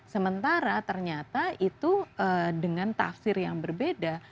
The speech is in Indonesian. sementara ternyata itu dengan tafsir yang berbeda